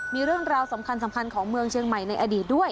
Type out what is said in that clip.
มีเรื่องราวสำคัญของเมืองเชียงใหม่ในอดีตด้วย